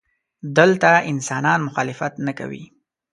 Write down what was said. دلته انسانان مخالفت نه کوي.